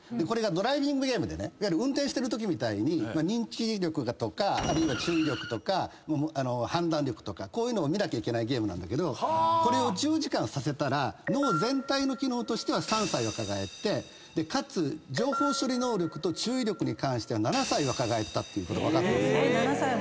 これがドライビングゲームでね運転してるときみたいに認知力とかあるいは注意力とか判断力とかこういうのを見なきゃいけないゲームなんだけどこれを１０時間させたら脳全体の機能としては３歳若返ってかつ情報処理能力と注意力に関しては７歳若返ったっていうことが分かった。